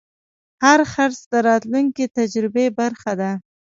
هر خرڅ د راتلونکي تجربې برخه ده.